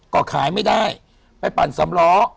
ก็ขายไม่ได้ไปปั่นสำล้อ